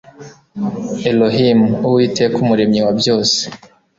ELOHIMUWITEKA UMUREMYI WA BYOSE